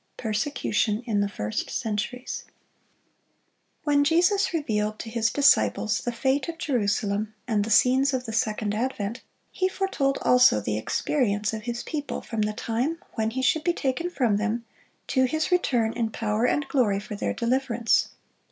PERSECUTION IN THE FIRST CENTURIES. [Illustration: Chapter header.] When Jesus revealed to His disciples the fate of Jerusalem and the scenes of the second advent, He foretold also the experience of His people from the time when He should be taken from them, to His return in power and glory for their deliverance.